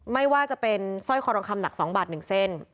ไม่ว่าจะเป็นสร้อยคอทองคำหนัก๒บาท๑เส้น